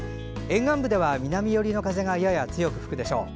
沿岸部では南寄りの風がやや強く吹くでしょう。